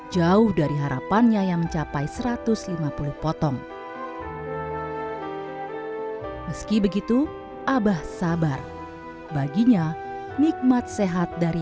jauh dari harapannya yang mencapai satu ratus lima puluh potong meski begitu abah sabar baginya nikmat sehat dari